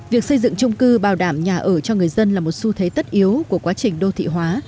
việc xây dựng trung cư bảo đảm nhà ở cho người dân là một xu thế tất yếu của quá trình đô thị hóa